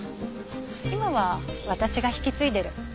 今は私が引き継いでる。